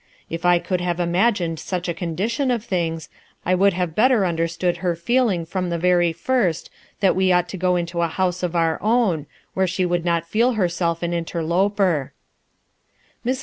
If I could have imagined such a condition of things, I would have better understood her feeling from the very first that w T e ought to go into a house of our own, where she would not feel herself an interloper/' Sirs.